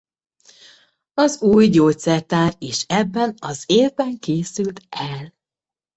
Az új gyógyszertár is ebben az évben készült el.